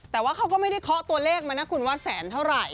แต่ว่าเขาก็ไม่ได้เคาะตัวเลขมานะคุณว่าแสนเท่าไหร่